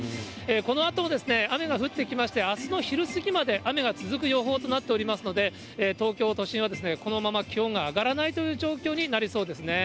このあとも雨が降ってきまして、あすの昼過ぎまで雨が続く予報となっておりますので、東京都心はこのまま気温が上がらないという状況になりそうですね。